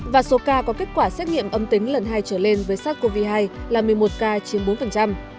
và số ca có kết quả xét nghiệm âm tính lần hai trở lên với sars cov hai là một mươi một ca chiếm bốn